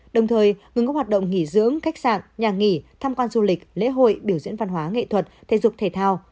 đồng thời ngừng các hoạt động nghỉ dưỡng khách sạn nhà nghỉ tham quan du lịch lễ hội biểu diễn văn hóa nghệ thuật thể dục thể thao